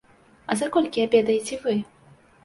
А за колькі абедаеце вы?